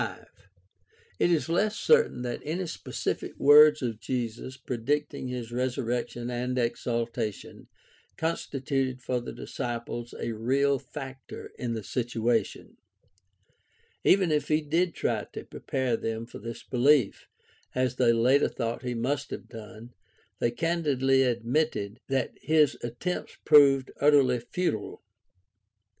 It is less certain that any specific words of Jesus pre dicting his resurrection and exaltation constituted for the disciples a real factor in the situation. Even if he did try to prepare them for this belief — ^as they later thought he must have done — they candidly admitted that his attempts proved utterly futile.